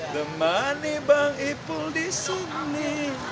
demani bang ipul di sini